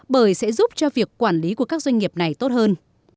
bởi sẽ giúp cho việc quản lý của các doanh nghiệp này tốt hơn